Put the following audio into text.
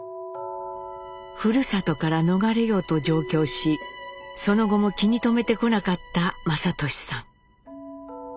ふるさとから逃れようと上京しその後も気に留めてこなかった雅俊さん。